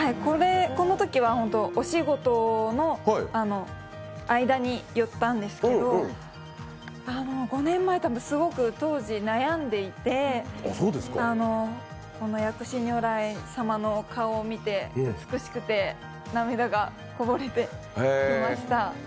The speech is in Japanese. このときはお仕事の間に寄ったんですけど、５年前は、すごく当時、悩んでいて、この薬師如来様のお顔を見て、美しくて涙がこぼれてきました。